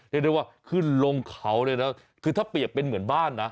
เรียกได้ว่าขึ้นลงเขาเลยนะคือถ้าเปรียบเป็นเหมือนบ้านนะ